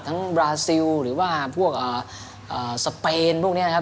ทั้งบราซิลหรือสเปนพวกนี้